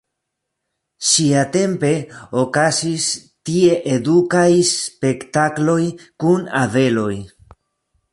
Siatempe okazis tie edukaj spektakloj kun abeloj.